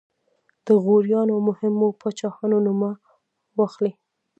د غوریانو مهمو پاچاهانو نومونه واخلئ.